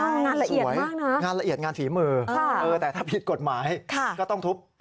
งานละเอียดงานละเอียดงานฝีมือแต่ถ้าผิดกฎหมายก็ต้องทุบ